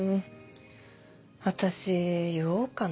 私言おうかな。